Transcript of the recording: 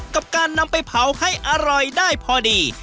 กับการนำไปเผาให้อร่อยได้พอดี